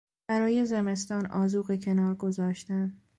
برای زمستان آذوقه کنار گذاشتن